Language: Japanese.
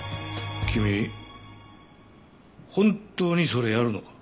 君本当にそれやるのか？